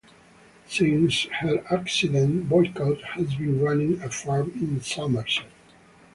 Since her accident, Boycott has been running a farm in Somerset.